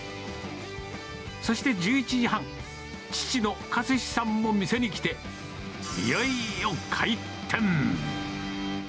そして１１時半、父の克司さんも店に来て、いよいよ開店。